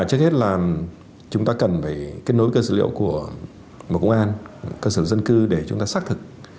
trước hết là chúng ta cần phải kết nối cơ dữ liệu của bộ công an cơ sở dân cư để chúng ta xác thực